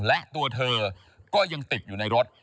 และตัวเธอก็ยังติดอยู่ในรถ